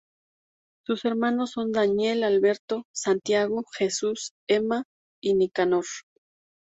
Sus hermanos son: Daniel, Alberto, Santiago, Jesús, Emma y Nicanor.